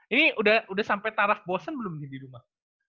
ini udah sampai taraf bosen belum nih di rumah